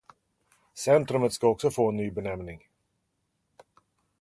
Centrumet ska också få en ny benämning.